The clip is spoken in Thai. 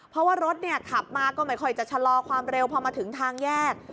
เพราะว่ารถขับมาก็ไม่ค่อยจะชะลอความเร็วพอมาถึงทางแยก